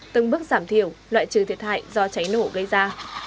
từng bước giảm thiểu loại trừ thiệt hại do cháy nổ gây ra